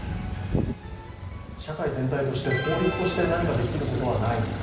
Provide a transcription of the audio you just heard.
社会全体として、法律として何かできることはないのか。